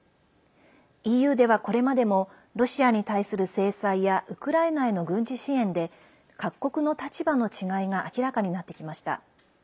ＥＵでは、これまでもロシアに対する制裁やウクライナへの軍事支援で各国の立場の違いが明らかになってきました。